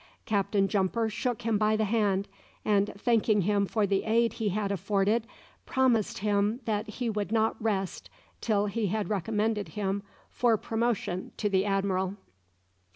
Captain Jumper shook him by the hand, and thanking him for the aid he had afforded, promised him that he would not rest till he had recommended him for promotion to the admiral.